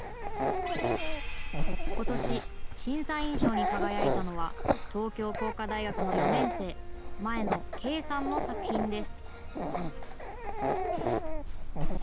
ことし、審査員賞に輝いたのは、東京工科大学の４年生、前野敬さんの作品です。